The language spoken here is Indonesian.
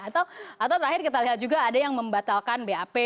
atau terakhir kita lihat juga ada yang membatalkan bap